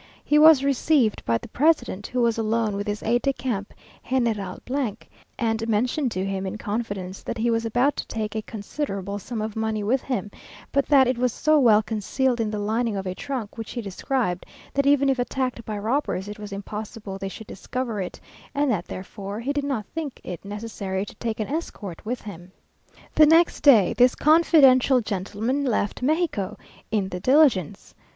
He was received by the president, who was alone with his aide de camp, General , and mentioned to him in confidence that he was about to take a considerable sum of money with him, but that it was so well concealed in the lining of a trunk, which he described, that even if attacked by robbers, it was impossible they should discover it, and that therefore he did not think it necessary to take an escort with him. The next day this confidential gentleman left Mexico, in the diligence.